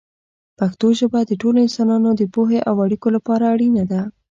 پښتو ژبه د ټولو انسانانو د پوهې او اړیکو لپاره اړینه ده.